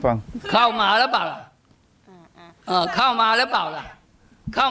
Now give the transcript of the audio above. ลุงอยากขอโทษเขาไหมแมวเขาตาย